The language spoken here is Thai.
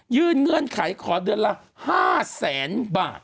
ยื่นเงื่อนไขขอเดือนละ๕๐๐๐๐๐บาท